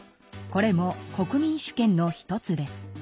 これも国民主権の１つです。